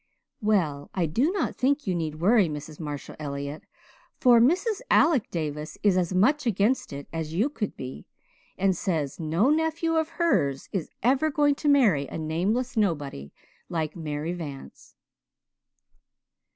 "Well, I do not think you need worry, Mrs. Marshall Elliott, for Mrs. Alec Davis is as much against it as you could be, and says no nephew of hers is ever going to marry a nameless nobody like Mary Vance."